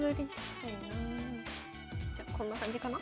じゃこんな感じかな。